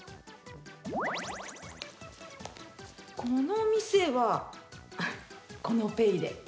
この店はこのペイで。